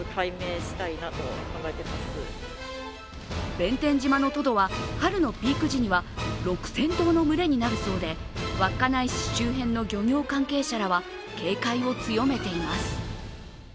弁天島のトドは、春のピーク時には６０００頭の群れになるそうで、稚内市周辺の漁業関係者らは警戒を強めています。